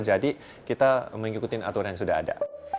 jadi kita mengikuti aturan yang sudah ada